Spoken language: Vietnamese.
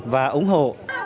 và ủng hộ